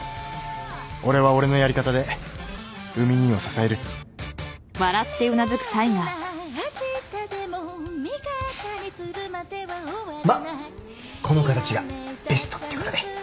俺は俺のやり方で海兄を支えるまっこの形がベストってことで。